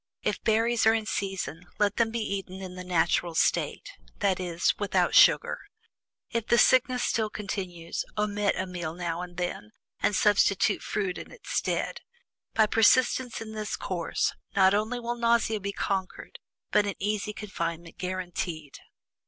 If berries are in season, let them be eaten in the natural state that is, without sugar. If the sickness still continues, omit a meal now and then, and substitute fruit in its stead. By persistence in this course, not only will nausea be conquered, but an easy confinement guaranteed."